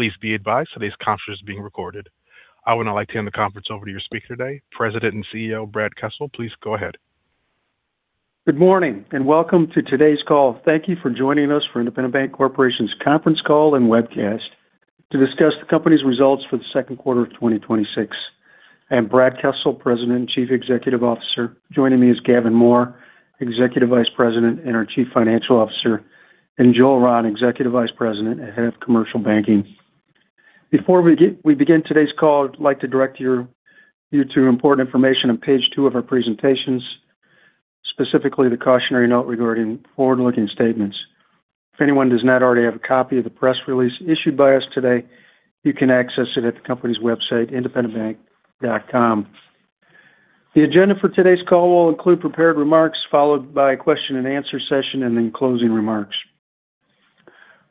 Please be advised today's conference is being recorded. I would now like to hand the conference over to your speaker today, President and CEO, Brad Kessel. Please go ahead. Good morning. Welcome to today's call. Thank you for joining us for Independent Bank Corporation's conference call and webcast to discuss the company's results for the second quarter of 2026. I'm Brad Kessel, President and Chief Executive Officer. Joining me is Gavin Mohr, Executive Vice President and our Chief Financial Officer, Joel Rahn, Executive Vice President and Head of Commercial Banking. Before we begin today's call, I'd like to direct you to important information on page two of our presentations, specifically the cautionary note regarding forward-looking statements. If anyone does not already have a copy of the press release issued by us today, you can access it at the company's website, independentbank.com. The agenda for today's call will include prepared remarks, followed by a question and answer session, then closing remarks.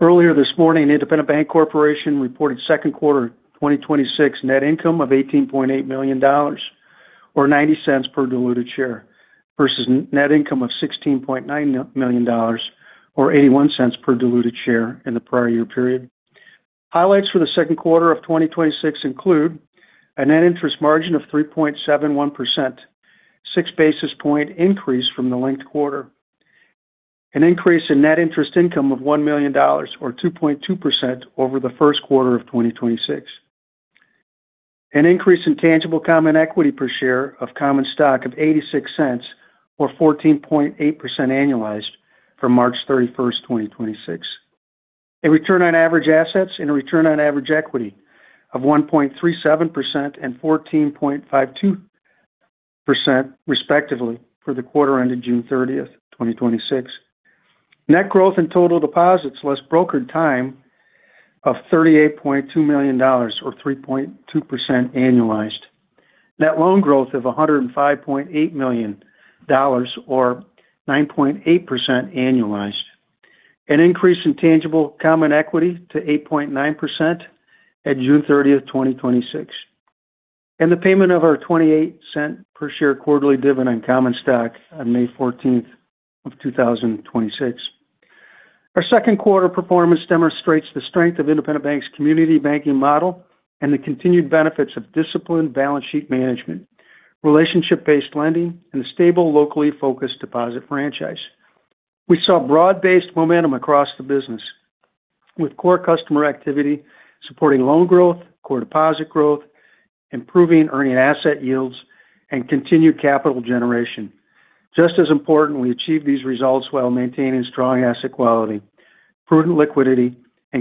Earlier this morning, Independent Bank Corporation reported second quarter 2026 net income of $18.8 million, or $0.90 per diluted share versus net income of $16.9 million or $0.81 per diluted share in the prior year period. Highlights for the second quarter of 2026 include a Net Interest Margin of 3.71%, 6 basis point increase from the linked quarter, an increase in Net Interest Income of $1 million, or 2.2% over the first quarter of 2026, an increase in tangible common equity per share of common stock of $0.86 or 14.8% annualized from March 31st, 2026. A Return on Average Assets and a Return on Average Equity of 1.37% and 14.52%, respectively, for the quarter ended June 30th, 2026. Net growth in total deposits, less brokered time of $38.2 million or 3.2% annualized. Net loan growth of $105.8 million or 9.8% annualized. An increase in tangible common equity to 8.9% at June 30th, 2026. The payment of our $0.28 per share quarterly dividend common stock on May 14th of 2026. Our second quarter performance demonstrates the strength of Independent Bank's community banking model and the continued benefits of disciplined balance sheet management, relationship-based lending, and a stable, locally focused deposit franchise. We saw broad-based momentum across the business with core customer activity supporting loan growth, core deposit growth, improving earning asset yields, continued capital generation. Just as important, we achieved these results while maintaining strong asset quality, prudent liquidity,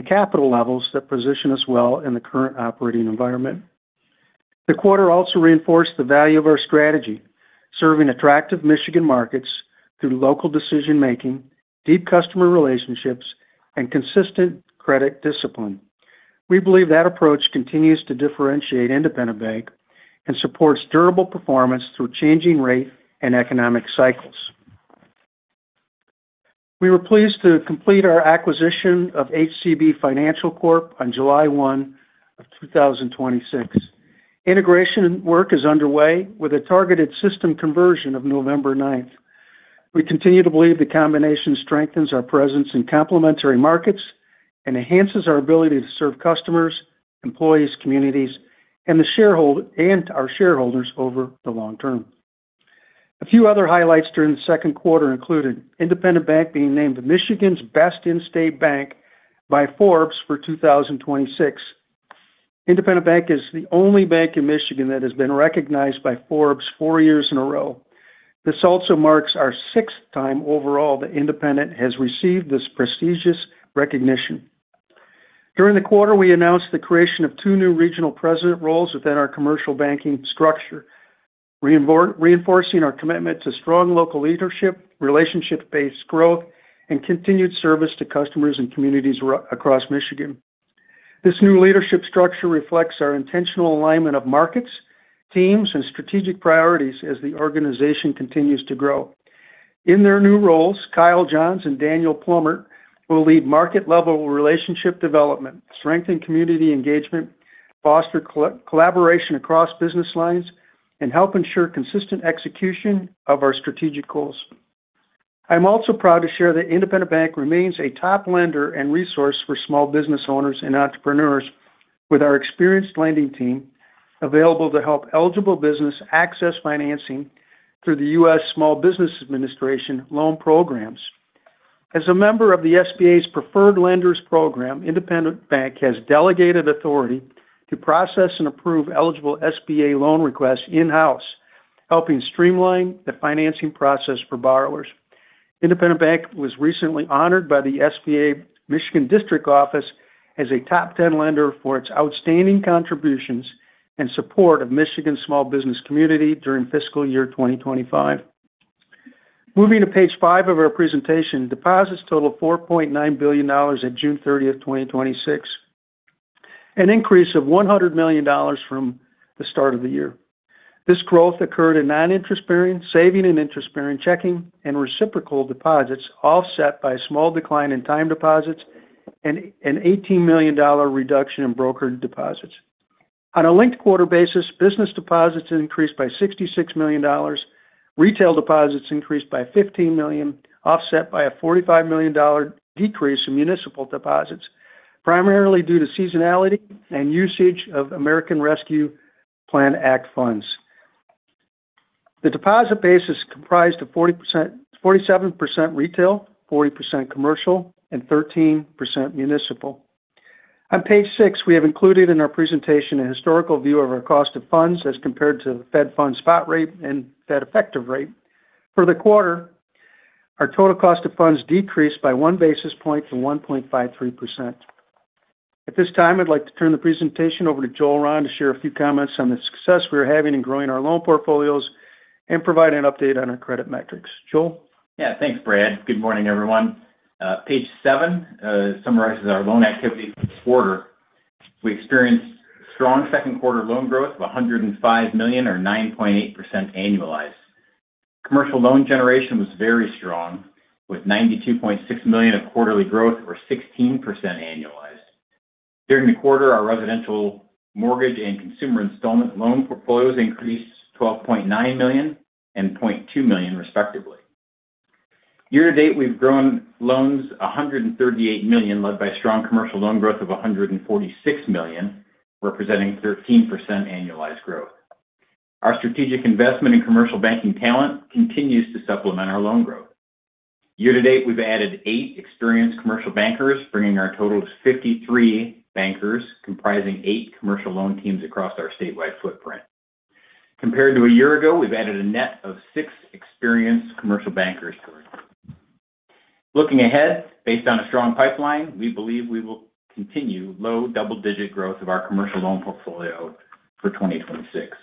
capital levels that position us well in the current operating environment. The quarter also reinforced the value of our strategy, serving attractive Michigan markets through local decision-making, deep customer relationships, consistent credit discipline. We believe that approach continues to differentiate Independent Bank and supports durable performance through changing rate and economic cycles. We were pleased to complete our acquisition of HCB Financial Corp. on July 1, 2026. Integration work is underway with a targeted system conversion of November 9. We continue to believe the combination strengthens our presence in complementary markets and enhances our ability to serve customers, employees, communities, and our shareholders over the long term. A few other highlights during the second quarter included Independent Bank being named Michigan's Best In-State Bank by Forbes for 2026. Independent Bank is the only bank in Michigan that has been recognized by Forbes four years in a row. This also marks our sixth time overall that Independent has received this prestigious recognition. During the quarter, we announced the creation of two new regional president roles within our commercial banking structure, reinforcing our commitment to strong local leadership, relationship-based growth, and continued service to customers and communities across Michigan. This new leadership structure reflects our intentional alignment of markets, teams, and strategic priorities as the organization continues to grow. In their new roles, Kyle Johns and Daniel Plumert will lead market-level relationship development, strengthen community engagement, foster collaboration across business lines, and help ensure consistent execution of our strategic goals. I am also proud to share that Independent Bank remains a top lender and resource for small business owners and entrepreneurs with our experienced lending team available to help eligible business access financing through the U.S. Small Business Administration loan programs. As a member of the SBA's Preferred Lender Program, Independent Bank has delegated authority to process and approve eligible SBA loan requests in-house, helping streamline the financing process for borrowers. Independent Bank was recently honored by the SBA Michigan district office as a Top 10 Lender for its outstanding contributions and support of Michigan small business community during fiscal year 2025. Moving to page five of our presentation, deposits total $4.9 billion at June 30, 2026, an increase of $100 million from the start of the year. This growth occurred in non-interest-bearing, saving and interest-bearing checking, and reciprocal deposits, offset by a small decline in time deposits and an $18 million reduction in brokered deposits. On a linked-quarter basis, business deposits increased by $66 million, retail deposits increased by $15 million, offset by a $45 million decrease in municipal deposits, primarily due to seasonality and usage of American Rescue Plan Act funds. The deposit base is comprised of 47% retail, 40% commercial, and 13% municipal. On page six, we have included in our presentation a historical view of our cost of funds as compared to the Fed funds spot rate and Fed effective rate. For the quarter, our total cost of funds decreased by 1 basis point to 1.53%. At this time, I would like to turn the presentation over to Joel Rahn to share a few comments on the success we are having in growing our loan portfolios and provide an update on our credit metrics. Joel? Yeah. Thanks, Brad. Good morning, everyone. Page seven summarizes our loan activity for the quarter. We experienced strong second quarter loan growth of $105 million or 9.8% annualized. Commercial loan generation was very strong with $92.6 million of quarterly growth or 16% annualized. During the quarter, our residential mortgage and consumer installment loan portfolios increased $12.9 million and $0.2 million respectively. Year to date, we've grown loans $138 million, led by strong commercial loan growth of $146 million, representing 13% annualized growth. Our strategic investment in commercial banking talent continues to supplement our loan growth. Year to date, we've added eight experienced commercial bankers, bringing our total to 53 bankers, comprising eight commercial loan teams across our statewide footprint. Compared to a year ago, we've added a net of six experienced commercial bankers to our group. Looking ahead, based on a strong pipeline, we believe we will continue low double-digit growth of our commercial loan portfolio for 2026.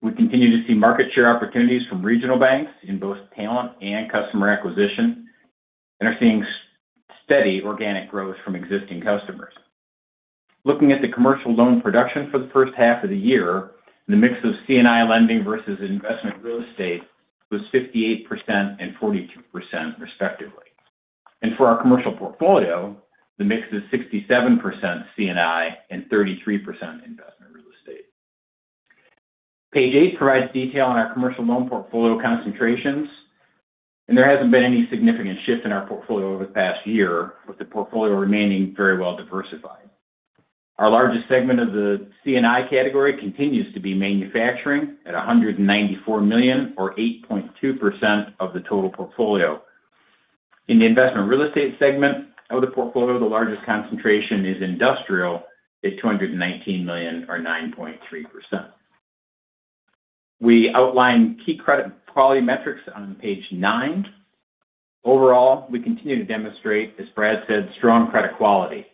We continue to see market share opportunities from regional banks in both talent and customer acquisition and are seeing steady organic growth from existing customers. Looking at the commercial loan production for the first half of the year, the mix of C&I lending versus investment real estate was 58% and 42% respectively. For our commercial portfolio, the mix is 67% C&I and 33% investment real estate. Page eight provides detail on our commercial loan portfolio concentrations, and there hasn't been any significant shift in our portfolio over the past year with the portfolio remaining very well diversified. Our largest segment of the C&I category continues to be manufacturing at $194 million or 8.2% of the total portfolio. In the investment real estate segment of the portfolio, the largest concentration is industrial at $219 million or 9.3%. We outline key credit quality metrics on page nine. Overall, we continue to demonstrate, as Brad said, strong credit quality.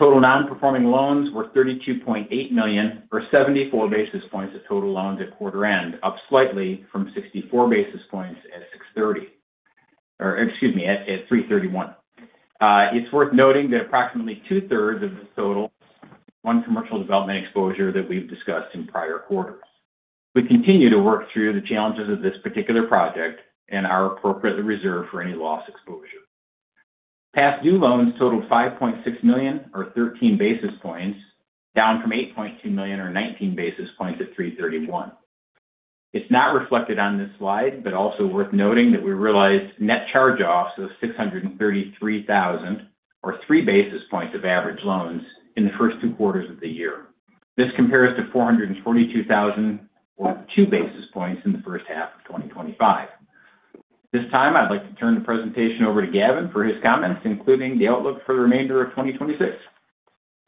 Total non-performing loans were $32.8 million or 74 basis points of total loans at quarter end, up slightly from 64 basis points at 6/30 or excuse me, at 3/31. It's worth noting that approximately 2/3 of this total, one commercial development exposure that we've discussed in prior quarters. We continue to work through the challenges of this particular project and are appropriately reserved for any loss exposure. Past due loans totaled $5.6 million or 13 basis points, down from $8.2 million or 19 basis points at 3/31. It's not reflected on this slide, but also worth noting that we realized net charge-offs of $633,000 or 3 basis points of average loans in the first two quarters of the year. This compares to $442,000 or 2 basis points in the first half of 2025. At this time, I'd like to turn the presentation over to Gavin for his comments, including the outlook for the remainder of 2026.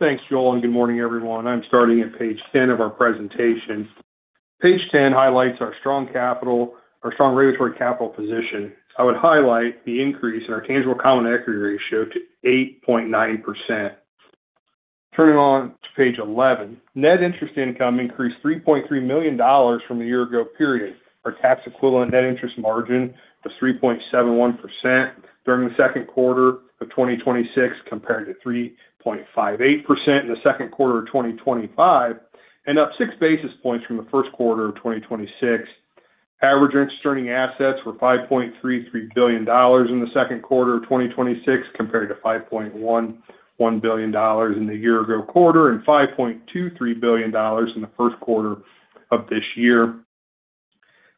Thanks, Joel, and good morning, everyone. I'm starting at page 10 of our presentation. Page 10 highlights our strong regulatory capital position. I would highlight the increase in our tangible common equity ratio to 8.9%. Turning on to page 11. Net Interest Income increased $3.3 million from the year ago period. Our tax equivalent Net Interest Margin was 3.71% during the second quarter of 2026, compared to 3.58% in the second quarter of 2025 and up 6 basis points from the first quarter of 2026. Average earning assets were $5.33 billion in the second quarter of 2026, compared to $5.11 billion in the year ago quarter and $5.23 billion in the first quarter of this year.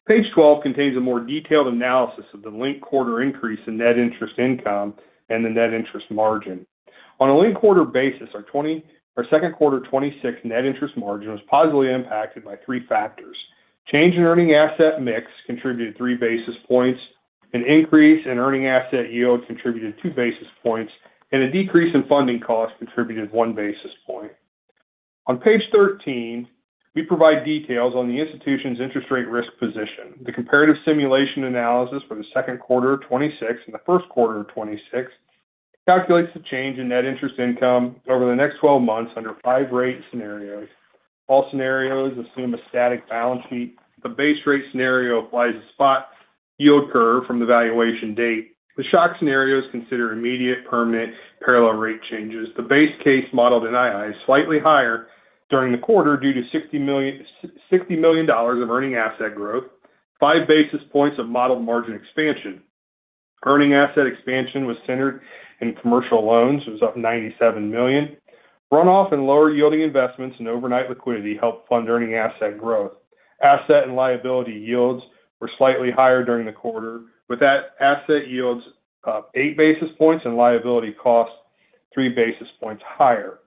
Page 12 contains a more detailed analysis of the linked quarter increase in Net Interest Income and the Net Interest Margin. On a linked-quarter basis, our second quarter 2026 Net Interest Margin was positively impacted by three factors. Change in earning asset mix contributed 3 basis points, an increase in earning asset yield contributed 2 basis points, and a decrease in funding cost contributed 1 basis point. On page 13, we provide details on the institution's interest rate risk position. The comparative simulation analysis for the second quarter of 2026 and the first quarter of 2026 calculates the change in Net Interest Income over the next 12 months under five rate scenarios. All scenarios assume a static balance sheet. The base rate scenario applies a spot yield curve from the valuation date. The shock scenarios consider immediate permanent parallel rate changes. The base case model denied is slightly higher during the quarter due to $60 million of earning asset growth, 5 basis points of modeled margin expansion. Earning asset expansion was centered in commercial loans. It was up $97 million. Runoff in lower yielding investments and overnight liquidity helped fund earning asset growth. Asset and liability yields were slightly higher during the quarter, with asset yields up 8 basis points and liability costs 3 basis points higher.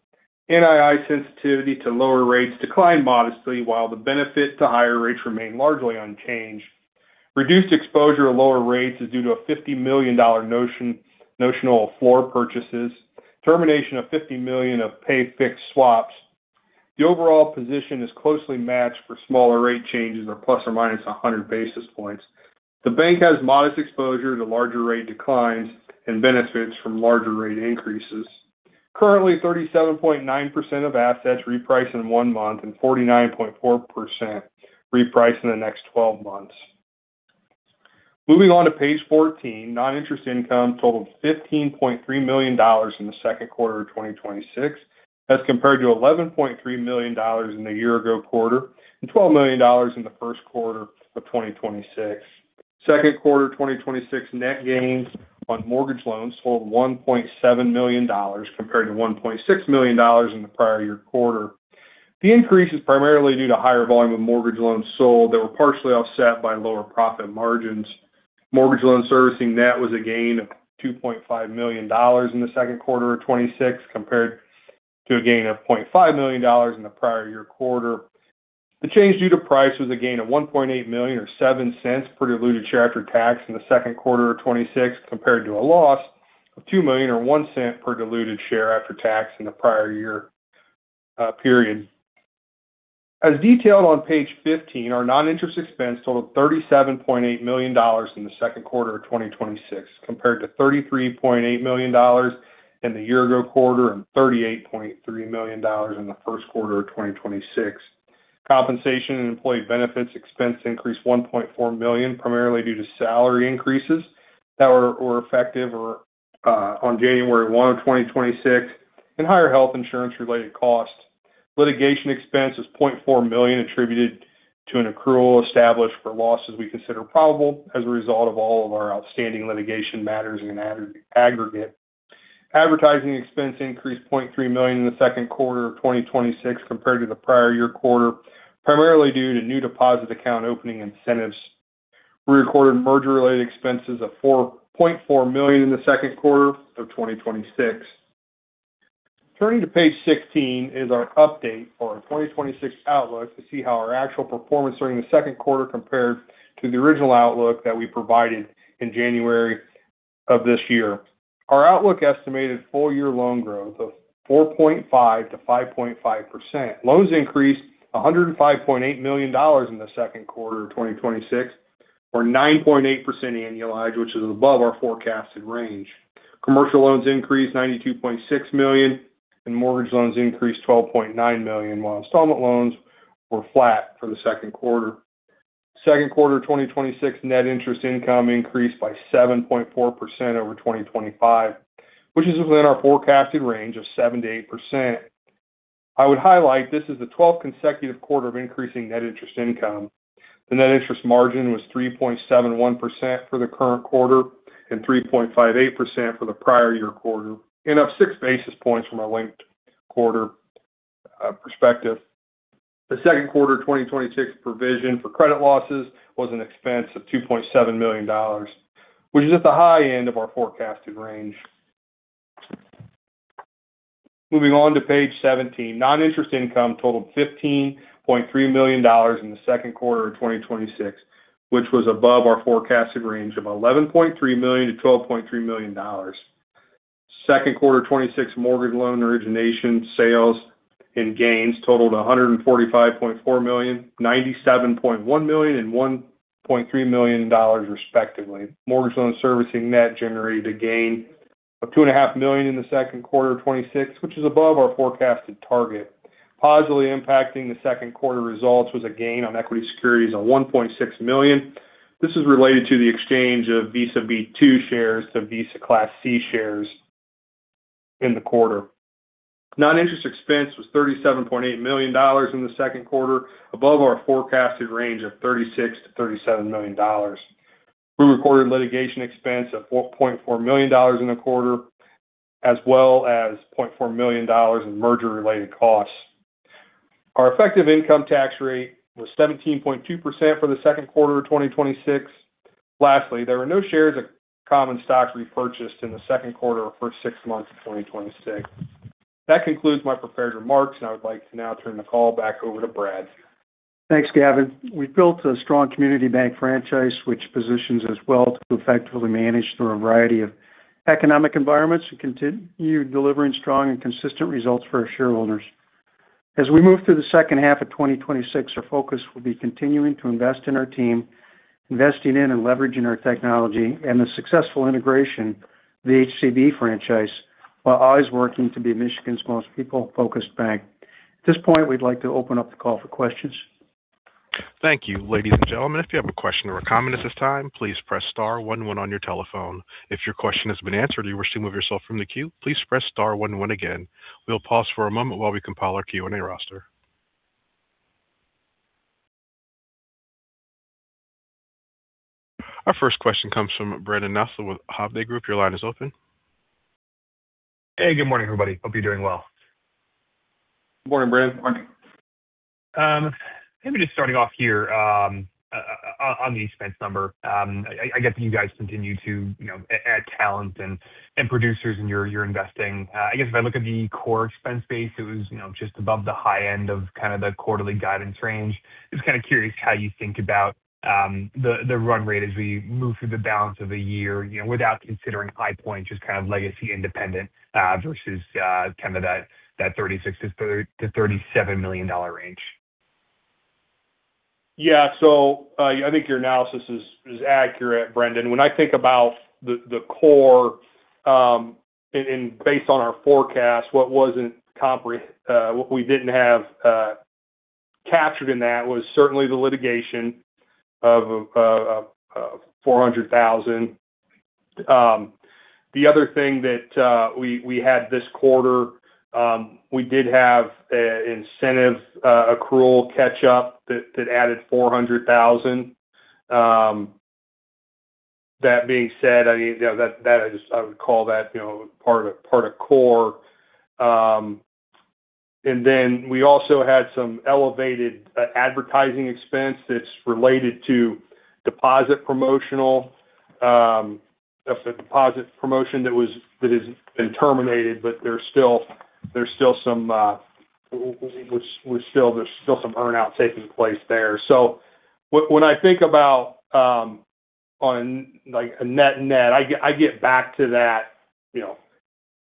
NII sensitivity to lower rates declined modestly, while the benefit to higher rates remained largely unchanged. Reduced exposure to lower rates is due to a $50 million notional of floor purchases, termination of $50 million of pay fixed swaps. The overall position is closely matched for smaller rate changes of ±100 basis points. The bank has modest exposure to larger rate declines and benefits from larger rate increases. Currently, 37.9% of assets reprice in one month and 49.4% reprice in the next 12 months. Moving on to page 14, non-interest income totaled $15.3 million in the second quarter of 2026, as compared to $11.3 million in the year ago quarter and $12 million in the first quarter of 2026. Second quarter 2026 net gains on mortgage loans totaled $1.7 million, compared to $1.6 million in the prior year quarter. The increase is primarily due to higher volume of mortgage loans sold that were partially offset by lower profit margins. Mortgage loan servicing net was a gain of $2.5 million in the second quarter of 2026, compared to a gain of $0.5 million in the prior year quarter. The change due to price was a gain of $1.8 million, or $0.07 per diluted share after tax in the second quarter of 2026, compared to a loss of $2 million or $0.01 per diluted share after tax in the prior year period. As detailed on page 15, our non-interest expense totaled $37.8 million in the second quarter of 2026, compared to $33.8 million in the year ago quarter and $38.3 million in the first quarter of 2026. Compensation and employee benefits expense increased $1.4 million, primarily due to salary increases that were effective on January 1, 2026, and higher health insurance related costs. Litigation expense is $0.4 million attributed to an accrual established for losses we consider probable as a result of all of our outstanding litigation matters in aggregate. Advertising expense increased $0.3 million in the second quarter of 2026 compared to the prior year quarter, primarily due to new deposit account opening incentives. We recorded merger-related expenses of $4.4 million in the second quarter of 2026. Turning to page 16 is our update for our 2026 outlook to see how our actual performance during the second quarter compared to the original outlook that we provided in January of this year. Our outlook estimated full year loan growth of 4.5%-5.5%. Loans increased $105.8 million in the second quarter of 2026, or 9.8% annualized, which is above our forecasted range. Commercial loans increased $92.6 million and mortgage loans increased $12.9 million, while installment loans were flat for the second quarter. Second quarter 2026 Net Interest Income increased by 7.4% over 2025, which is within our forecasted range of 7%-8%. I would highlight this is the 12th consecutive quarter of increasing Net Interest Income. The Net Interest Margin was 3.71% for the current quarter and 3.58% for the prior year quarter, and up 6 basis points from a linked quarter perspective. The second quarter 2026 provision for credit losses was an expense of $2.7 million, which is at the high end of our forecasted range. Moving on to page 17. Non-interest income totaled $15.3 million in the second quarter of 2026, which was above our forecasted range of $11.3 million-$12.3 million. Second quarter 2026 mortgage loan origination sales and gains totaled $145.4 million, $97.1 million and $1.3 million respectively. Mortgage loan servicing net generated a gain of $2.5 million in the second quarter of 2026, which is above our forecasted target. Positively impacting the second quarter results was a gain on equity securities of $1.6 million. This is related to the exchange of Visa B-2 shares to Visa Class C shares in the quarter. Non-interest expense was $37.8 million in the second quarter, above our forecasted range of $36 million to $37 million. We recorded litigation expense of $4.4 million in the quarter, as well as $0.4 million in merger related costs. Our effective income tax rate was 17.2% for the second quarter of 2026. Lastly, there were no shares of common stock repurchased in the second quarter or first six months of 2026. That concludes my prepared remarks, and I would like to now turn the call back over to Brad. Thanks, Gavin. We've built a strong community bank franchise, which positions us well to effectively manage through a variety of economic environments and continue delivering strong and consistent results for our shareholders. As we move through the second half of 2026, our focus will be continuing to invest in our team, investing in and leveraging our technology, and the successful integration of the HCB franchise, while always working to be Michigan's Most People-Focused Bank. At this point, we'd like to open up the call for questions. Thank you. Ladies and gentlemen, if you have a question or a comment at this time, please press star one one on your telephone. If your question has been answered or you wish to remove yourself from the queue, please press star one one again. We'll pause for a moment while we compile our Q&A roster. Our first question comes from Brendan Nosal with Hovde Group. Your line is open. Hey, good morning, everybody. Hope you're doing well. Morning, Brendan. Maybe just starting off here on the expense number. I get that you guys continue to add talent and producers, and you're investing. I guess if I look at the core expense base, it was just above the high end of the quarterly guidance range. Just curious how you think about the run rate as we move through the balance of the year, without considering Highpoint, just legacy Independent, versus that $36 million to $37 million range. I think your analysis is accurate, Brendan. When I think about the core, and based on our forecast, what we didn't have captured in that was certainly the litigation of $400,000. The other thing that we had this quarter, we did have incentive accrual catch-up that added $400,000. That being said, I would call that part of core. Then we also had some elevated advertising expense that's related to deposit promotional. That's a deposit promotion that has been terminated, but there's still some earn-out taking place there. When I think about on a net net, I get back to that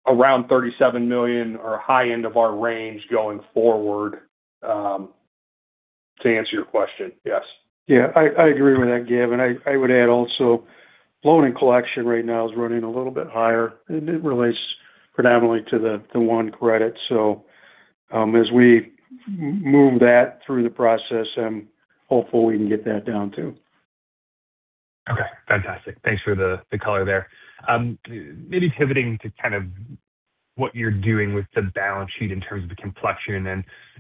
around $37 million or high end of our range going forward, to answer your question, yes. I agree with that, Gavin. I would add also loan and collection right now is running a little bit higher. It relates predominantly to the one credit. As we move that through the process, hopefully we can get that down, too. Okay, fantastic. Thanks for the color there. Maybe pivoting to what you're doing with the balance sheet in terms of the complexion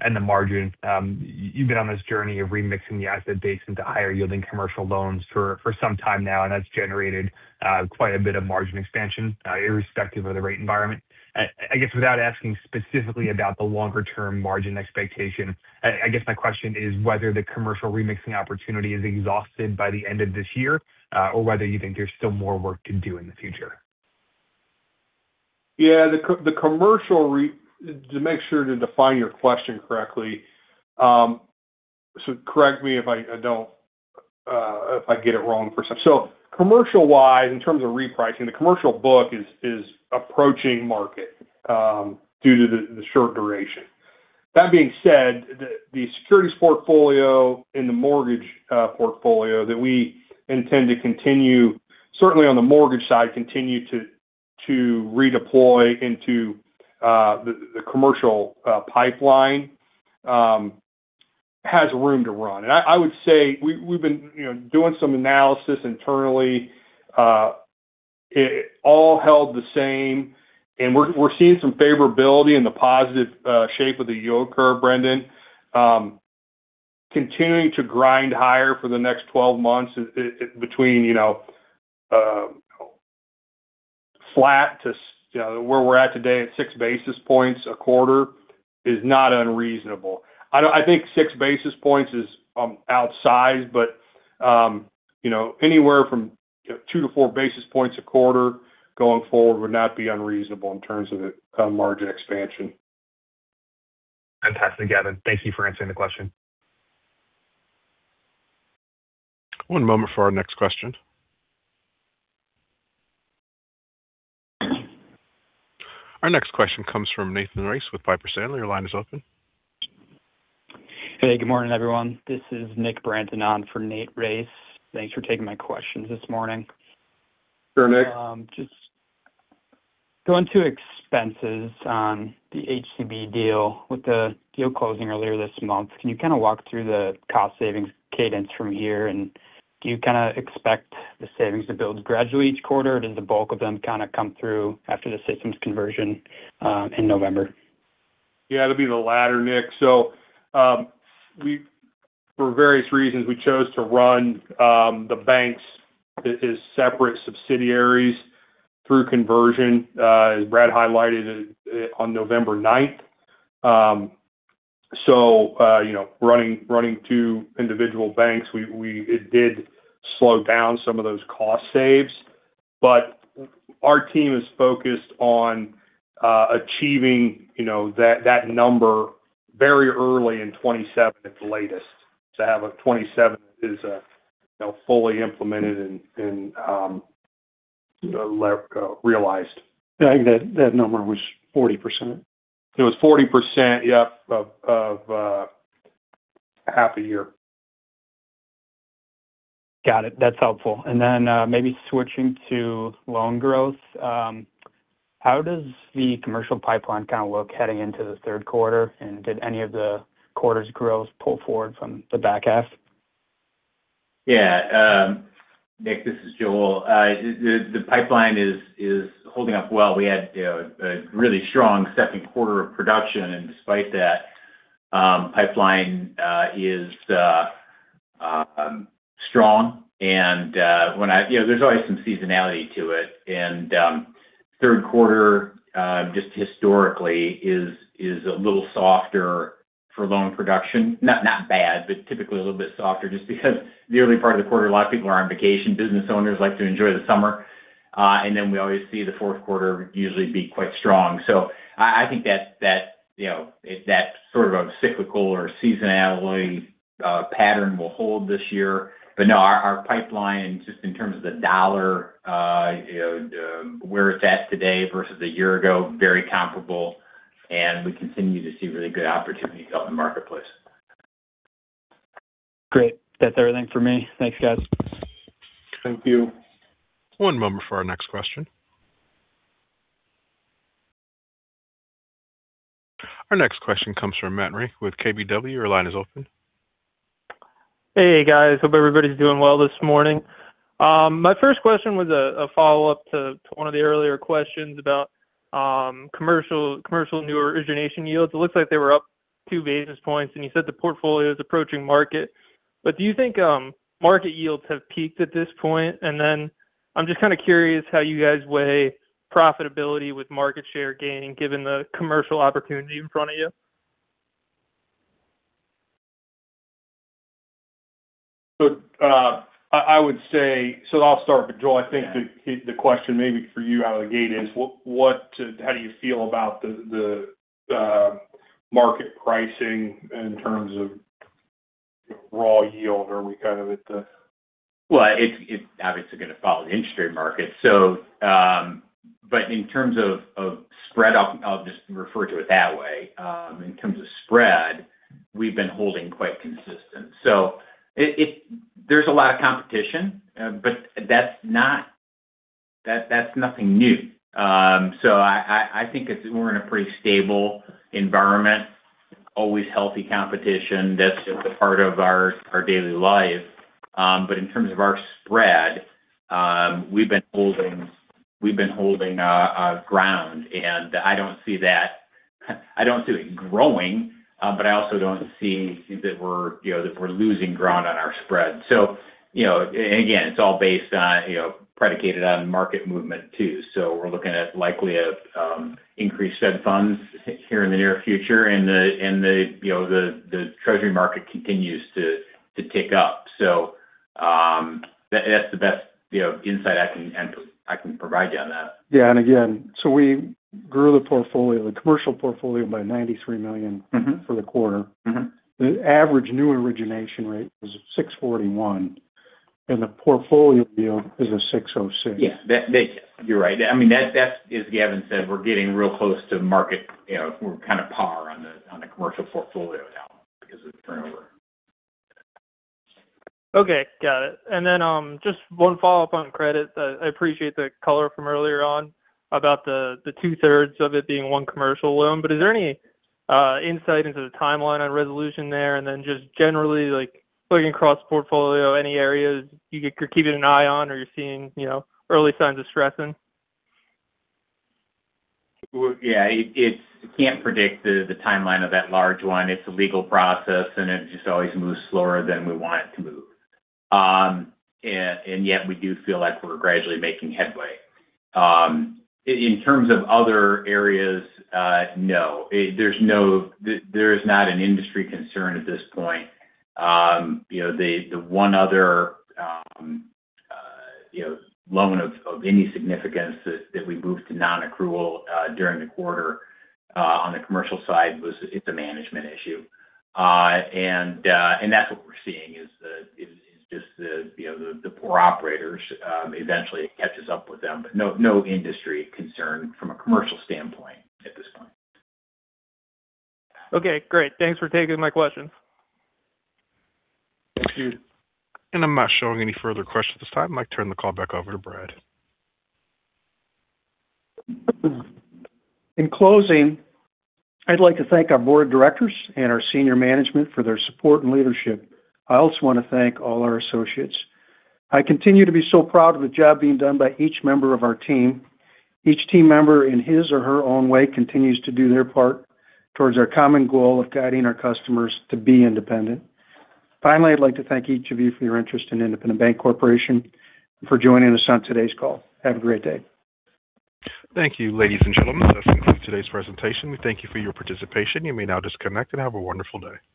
and the margin. You've been on this journey of remixing the asset base into higher-yielding commercial loans for some time now, and that's generated quite a bit of margin expansion, irrespective of the rate environment. I guess without asking specifically about the longer-term margin expectation, I guess my question is whether the commercial remixing opportunity is exhausted by the end of this year, or whether you think there's still more work to do in the future. To make sure to define your question correctly. Correct me if I get it wrong. Commercial-wise, in terms of repricing, the commercial book is approaching market due to the short duration. That being said, the securities portfolio and the mortgage portfolio that we intend to continue, certainly on the mortgage side, continue to redeploy into the commercial pipeline has room to run. I would say we've been doing some analysis internally. It all held the same, and we're seeing some favorability in the positive shape of the yield curve, Brendan. Continuing to grind higher for the next 12 months between flat to where we're at today at 6 basis points a quarter is not unreasonable. I think 6 basis points is outsized, but anywhere from 2 to 4 basis points a quarter going forward would not be unreasonable in terms of the margin expansion. Fantastic, Gavin. Thank you for answering the question. One moment for our next question. Our next question comes from Nathan Race with Piper Sandler. Your line is open. Hey, good morning, everyone. This is Nick Branton on for Nate Race. Thanks for taking my questions this morning. Sure, Nick. Just going to expenses on the HCB deal with the deal closing earlier this month, can you walk through the cost savings cadence from here? Do you expect the savings to build gradually each quarter, or does the bulk of them come through after the systems conversion in November? Yeah, it'll be the latter, Nick. For various reasons, we chose to run the banks as separate subsidiaries through conversion, as Brad highlighted, on November 9th. Running two individual banks, it did slow down some of those cost saves. Our team is focused on achieving that number very early in 2027 at the latest to have 2027 as fully implemented and realized. I think that number was 40%. It was 40%, yep, of half a year. Then maybe switching to loan growth. How does the commercial pipeline look heading into the third quarter? Did any of the quarter's growth pull forward from the back half? Yeah. Nick, this is Joel. The pipeline is holding up well. We had a really strong second quarter of production. Despite that, pipeline is strong. There's always some seasonality to it. Third quarter, just historically, is a little softer for loan production. Not bad, but typically a little bit softer just because the early part of the quarter, a lot of people are on vacation. Business owners like to enjoy the summer. Then we always see the fourth quarter usually be quite strong. I think that sort of a cyclical or seasonality pattern will hold this year. No, our pipeline, just in terms of the dollar, where it's at today versus a year ago, very comparable, and we continue to see really good opportunity out in the marketplace. Great. That's everything for me. Thanks, guys. Thank you. One moment for our next question. Our next question comes from Matt Renck with KBW. Your line is open. Hey, guys. Hope everybody's doing well this morning. My first question was a follow-up to one of the earlier questions about commercial new origination yields. It looks like they were up 2 basis points, and you said the portfolio is approaching market. Do you think market yields have peaked at this point? I'm just kind of curious how you guys weigh profitability with market share gain, given the commercial opportunity in front of you. I'll start, but Joel, I think the question maybe for you out of the gate is, how do you feel about the market pricing in terms of raw yield? Are we kind of at the It's obviously going to follow the industry market. In terms of spread, I'll just refer to it that way. In terms of spread, we've been holding quite consistent. There's a lot of competition, but that's nothing new. I think we're in a pretty stable environment. Always healthy competition. That's just a part of our daily life. In terms of our spread, we've been holding ground, and I don't see it growing, but I also don't see that we're losing ground on our spread. Again, it's all based on, predicated on market movement, too. We're looking at likely increased Fed funds here in the near future, and the treasury market continues to tick up. That's the best insight I can provide you on that. And again, we grew the portfolio, the commercial portfolio, by $93 million for the quarter. The average new origination rate was 6.41%, and the portfolio yield is a 6.06%. Yeah. You're right. I mean, as Gavin said, we're getting real close to market. We're kind of par on the commercial portfolio now because of the turnover. Okay. Got it. Just one follow-up on credit. I appreciate the color from earlier on about the two-thirds of it being one commercial loan. Is there any insight into the timeline on resolution there? Just generally, looking across the portfolio, any areas you're keeping an eye on or you're seeing early signs of stressing? Well, yeah, can't predict the timeline of that large one. It's a legal process, it just always moves slower than we want it to move. We do feel like we're gradually making headway. In terms of other areas, no. There's not an industry concern at this point. The one other loan of any significance that we moved to non-accrual during the quarter on the commercial side, it's a management issue. That's what we're seeing, is just the poor operators. Eventually it catches up with them. No industry concern from a commercial standpoint at this point. Okay, great. Thanks for taking my questions. Thank you. I'm not showing any further questions at this time. I'd like to turn the call back over to Brad. In closing, I'd like to thank our board of directors and our senior management for their support and leadership. I also want to thank all our associates. I continue to be so proud of the job being done by each member of our team. Each team member, in his or her own way, continues to do their part towards our common goal of guiding our customers to be independent. Finally, I'd like to thank each of you for your interest in Independent Bank Corporation and for joining us on today's call. Have a great day. Thank you, ladies and gentlemen. That is concluded today's presentation. We thank you for your participation. You may now disconnect and have a wonderful day.